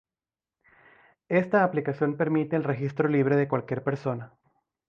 Esta aplicación permite el registro libre de cualquier persona.